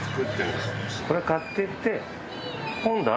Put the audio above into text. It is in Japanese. これ買っていって。